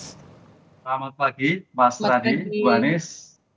selamat pagi mas radi bu anies